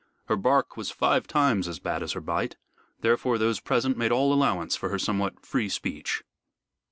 Her bark was five times as bad as her bite, therefore those present made all allowance for her somewhat free speech.